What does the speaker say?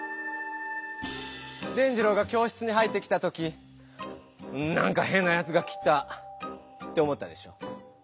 伝じろうが教室に入ってきた時「なんかへんなやつが来た」って思ったでしょ？